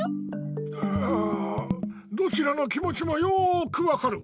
ううどちらの気もちもよくわかる。